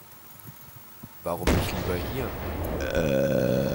Warum nicht lieber hier?